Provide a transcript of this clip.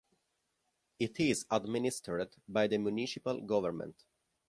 It is administered by the municipal government.